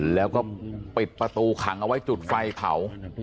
แล้วก็ปิดประตูขังเอาไว้จุดไฟเผา